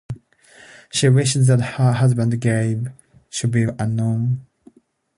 She wished that her husband's grave should be unknown.